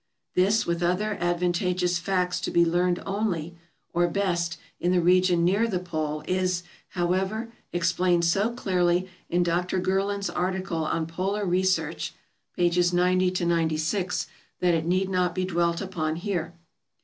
This, with other advantageous facts to be learned only, or best, in the region near the pole, is, however, explained so clearly in Dr. Gerland's article on "Polar Research" (pages 90 96) that it need not be dwelt upon here.